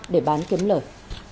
để bán kiếm lợi